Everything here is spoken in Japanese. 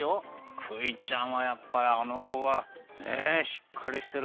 クイちゃんはやっぱりあのこはねえしっかりしてる。